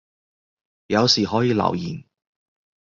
有事可以留言